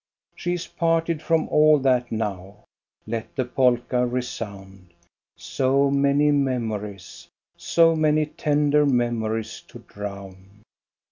She is parted from all that now. Let the polka resound, — so many memories, so many tender memories to drown